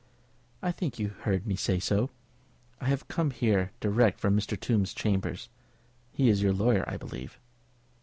"I think you heard me say so. I have come here direct from Mr. Tombe's chambers. He is your lawyer, I believe?"